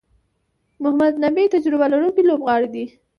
محمد نبي تجربه لرونکی لوبغاړی دئ.